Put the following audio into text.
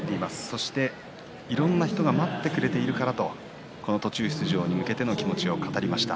そしていろんな人が待ってくれているからと途中出場に向けての気持ちを語りました。